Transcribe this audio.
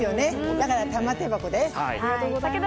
だから、玉手箱です。